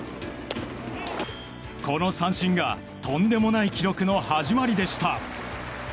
この三振がとんでもない記録の始まりでした。